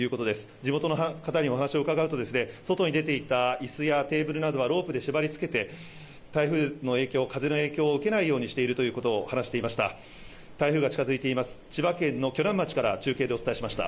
地元の方にお話を伺うと外に出ていたいすやテーブルなどはロープで縛りつけて台風の影響、風の影響を受けないようにしているということを話していました。